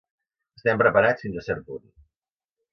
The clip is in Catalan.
Estem preparats fins a cert punt.